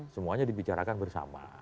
semuanya dibicarakan bersama